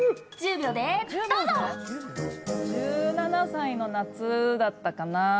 １７歳の夏だったかな